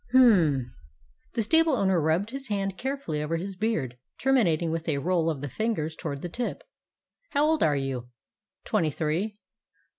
"Hm!" The stable owner rubbed his hand carefully over his beard, terminating with a roll of the fingers toward the tip. "How old are you?" "Twenty three."